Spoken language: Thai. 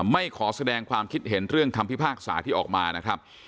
ไม่ขอแสดงความคิดเห็นเรื่องคำพิพากษาที่ออกมานะครับ